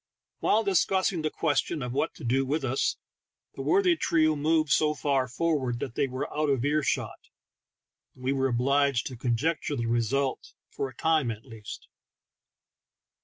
While discussing the question of what to do with us, the worthy trio moved so far forward THE TALKING HANDKERCHIEF. 29 that they were out of ear shot, and we were obliged to conjeeture the result, for a time at least.